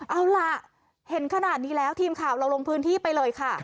เอาล่ะเห็นขนาดนี้แล้วทีมข่าวเราลงพื้นที่ไปเลยค่ะ